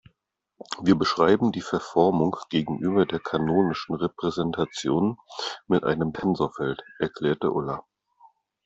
Wir beschreiben die Verformung gegenüber der kanonischen Repräsentation mit einem Tensorfeld, erklärte Ulla.